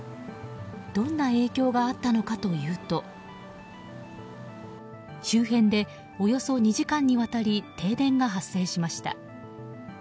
どんな影響があったのかというと周辺で、およそ２時間にわたり停電が発生しました。